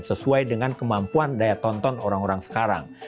sesuai dengan kemampuan daya tonton orang orang sekarang